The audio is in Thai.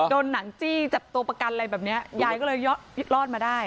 โดนหนังจี้จับตัวประกันอะไรแบบนี้ยายก็เลยรอดมาได้